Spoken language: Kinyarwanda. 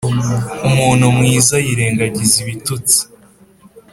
umuntu mwiza yirengagiza ibitutsi